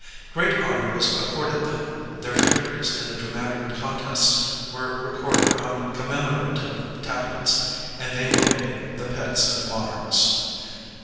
Great honor was accorded them. Their victories in the dramatic contests were re corded on commemorative tablets, and they were made the pets of monarchs.